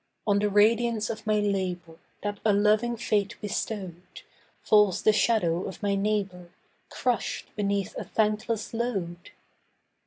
On the radiance of my labour That a loving fate bestowed, Falls the shadow of my neighbour, Crushed beneath a thankless load.